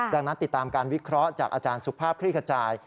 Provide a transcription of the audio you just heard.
ดังนั้นติดตามการวิเคราะห์จากอาจารย์สุภาพคลี่ขจาย